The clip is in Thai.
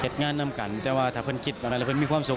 เห็นงานล่ำกันแต่ถ้าคนคิดอะไรและไม่ความสุข